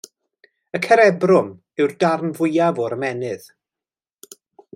Y cerebrwm yw'r darn fwyaf o'r ymennydd.